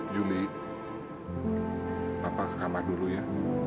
julie apa kekamah dulu ya